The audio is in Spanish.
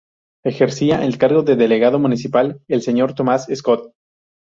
Ejercía el cargo de Delegado Municipal el señor Tomás Scott.